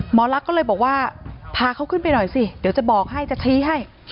หมอลักษณ์ก็เลยบอกว่าพาเขาขึ้นไปหน่อยสิเดี๋ยวจะบอกให้จะชี้ให้